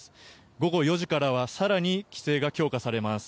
午後４時からは更に規制が強化されます。